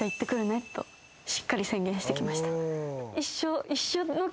しっかり宣言してきました。